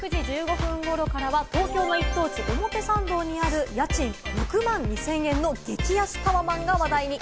９時１０分頃からは東京の一等地・表参道にある家賃６万２０００円の激安タワマンが話題に。